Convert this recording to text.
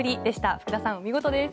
福田さん、見事です。